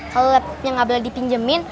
kalo laptopnya gak boleh dipinjemin